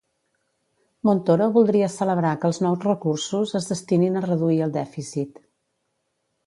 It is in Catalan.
Montoro voldria celebrar que els nous recursos es destinin a reduir el dèficit.